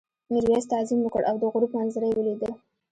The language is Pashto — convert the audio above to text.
میرويس تعظیم وکړ او د غروب منظره یې ولیده.